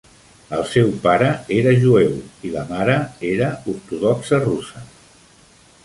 El seu pare era jueu i la mare era ortodoxa russa.